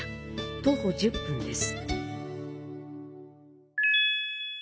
徒歩１０分です。